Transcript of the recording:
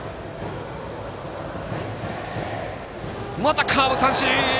またカーブ、三振！